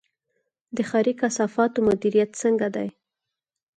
د ښاري کثافاتو مدیریت څنګه دی؟